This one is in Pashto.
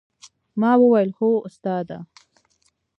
ما وويل هو استاده.